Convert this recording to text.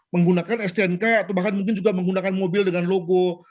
menggunakan stnk atau bahkan mungkin juga menggunakan mobil dengan logo